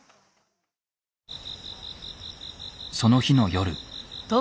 その日の夜。